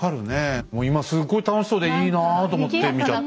今すごい楽しそうでいいなぁと思って見ちゃった。